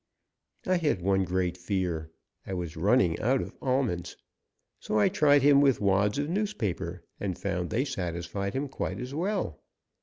I had one great fear. I was running out of almonds. So I tried him with wads of newspaper, and found they satisfied him quite as well.